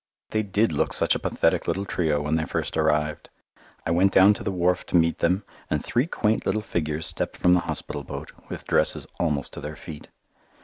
They did look such a pathetic little trio when they first arrived. I went down to the wharf to meet them, and three quaint little figures stepped from the hospital boat, with dresses almost to their feet.